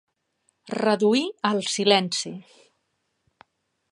Reduir al silenci.